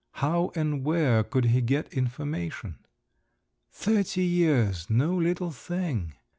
How and where could he get information? Thirty years, no little thing!